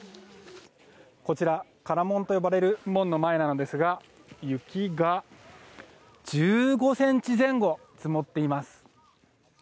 唐門と呼ばれる門の前なんですが雪が１５ｃｍ前後積もっています。